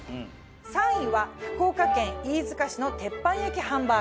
３位は福岡県飯塚市の鉄板焼きハンバーグ。